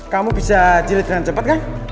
kamu bisa jilid dengan cepat kan